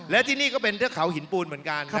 และที่นี่ก็เป็นเทือกเขาหินปูนเหมือนกัน